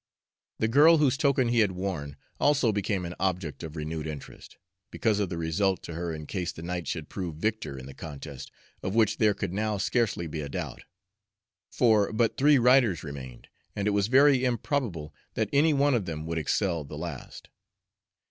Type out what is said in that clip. The girl whose token he had worn also became an object of renewed interest, because of the result to her in case the knight should prove victor in the contest, of which there could now scarcely be a doubt; for but three riders remained, and it was very improbable that any one of them would excel the last.